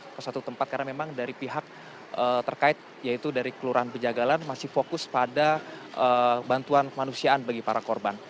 ke satu tempat karena memang dari pihak terkait yaitu dari kelurahan pejagalan masih fokus pada bantuan kemanusiaan bagi para korban